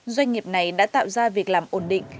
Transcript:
doanh nghiệp này đã tạo ra việc làm ổn định